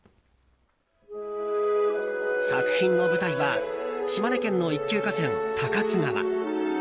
作品の舞台は島根県の一級河川・高津川。